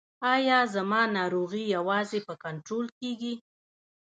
ایا زما ناروغي یوازې په کنټرول کیږي؟